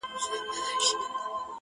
چي خدای څومره پیدا کړی یم غښتلی -